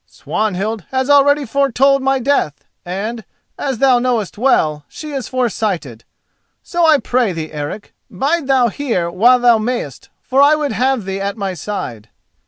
Swanhild has already foretold my death, and, as thou knowest well, she is foresighted. So I pray thee, Eric, bide thou here while thou mayest, for I would have thee at my side."